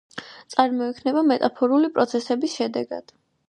წარმოიქმნება მეტამორფული პროცესების შედეგად.